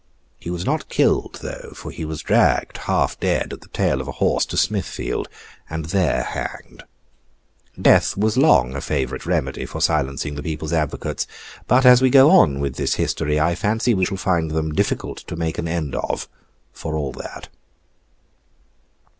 He was not killed, though; for he was dragged, half dead, at the tail of a horse to Smithfield, and there hanged. Death was long a favourite remedy for silencing the people's advocates; but as we go on with this history, I fancy we shall find them difficult to make an end of, for all that.